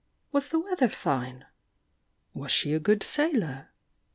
—was the weather fine?— was she a good sailor?